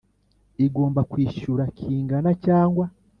Igomba kwishyura kingana cyangwa